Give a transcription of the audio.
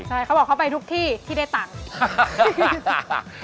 ใช่เขาบอกเขาไปทุกที่ที่ได้ตังค์